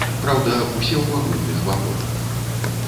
Праўда, усе ў агульных вагонах.